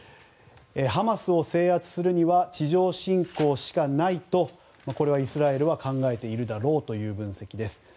ハマスを制圧するには地上侵攻しかないとこれはイスラエルは考えているだろうという分析です。